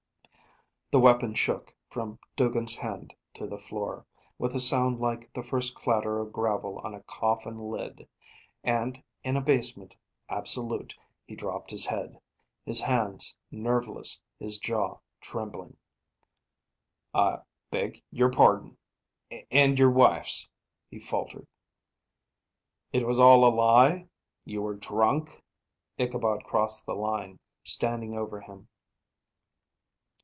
The weapon shook from Duggin's hand to the floor, with a sound like the first clatter of gravel on a coffin lid; and in abasement absolute he dropped his head; his hands nerveless, his jaw trembling. "I beg your pardon and your wife's," he faltered. "It was all a lie? You were drunk?" Ichabod crossed the line, standing over him.